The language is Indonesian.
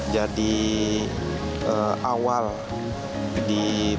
jadi awal di perusahaan